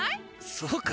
そうか？